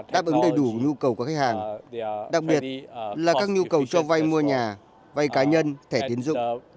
đáp ứng đầy đủ nhu cầu của khách hàng đặc biệt là các nhu cầu cho vay mua nhà vay cá nhân thẻ tiến dụng